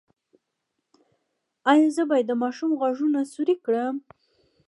ایا زه باید د ماشوم غوږونه سورۍ کړم؟